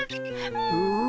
うん。